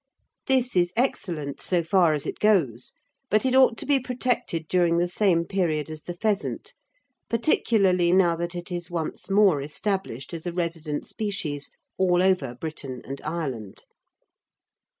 This is excellent, so far as it goes, but it ought to be protected during the same period as the pheasant, particularly now that it is once more established as a resident species all over Britain and Ireland.